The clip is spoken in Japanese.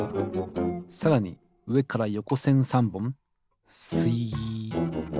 さらにうえからよこせん３ぼんすいっ。